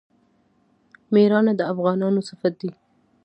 میړانه د افغانانو صفت دی.